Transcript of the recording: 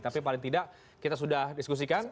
tapi paling tidak kita sudah diskusikan